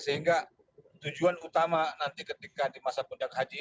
sehingga tujuan utama nanti ketika di masa puncak haji